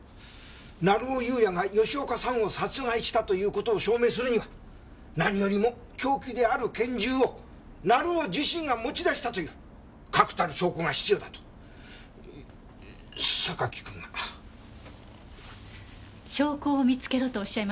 成尾優也が吉岡さんを殺害したという事を証明するには何よりも凶器である拳銃を成尾自身が持ち出したという確たる証拠が必要だと榊君が。証拠を見つけろとおっしゃいましたよね？